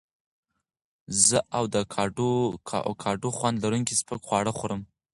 زه د اوکاډو خوند لرونکي سپک خواړه خوړم.